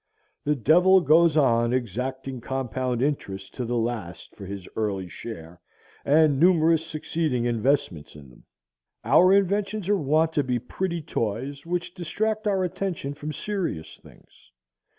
The devil goes on exacting compound interest to the last for his early share and numerous succeeding investments in them. Our inventions are wont to be pretty toys, which distract our attention from serious things.